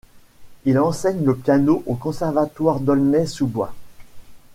Il enseigne le piano au Conservatoire d’Aulnay-sous-Bois.